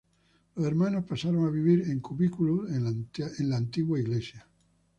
Los hermanos pasaron a vivir en cubículos en la antigua iglesia.